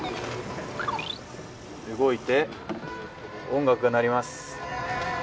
動いて音楽が鳴ります。